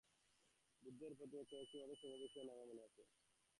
বুদ্ধের প্রতি প্রযুক্ত কয়েকটি অতি সুন্দর বিশেষণ আমার মনে আছে।